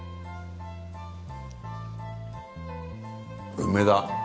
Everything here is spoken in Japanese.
梅だ。